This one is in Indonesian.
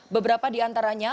beberapa di antaranya